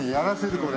これ。